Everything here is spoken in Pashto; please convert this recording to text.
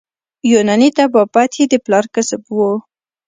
یوناني طبابت یې د پلار کسب وو.